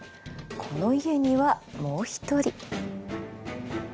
この家にはもう一人。